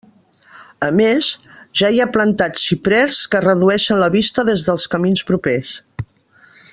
A més, ja hi ha plantats xiprers que redueixen la vista des dels camins propers.